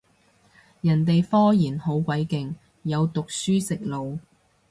人哋科研好鬼勁，有讀書食腦